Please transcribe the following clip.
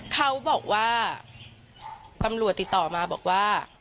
เขาบอกว่าตำรวจติดต่อมาบอกว่า